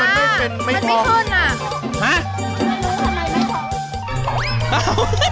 อันนี้ทำไมไม่ควบ